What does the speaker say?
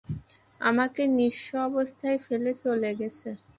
আমাকে নিঃস্ব অবস্থায় ফেলে চলে গেছো।